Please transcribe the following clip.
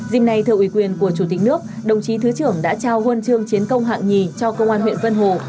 dìm nay thờ ủy quyền của chủ tịch nước đồng chí thứ trưởng đã trao huân chương chiến công hạng nhì cho công an huyện vân hồ